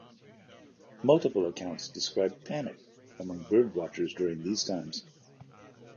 Multiple accounts describe "panic" among birdwatchers during these times.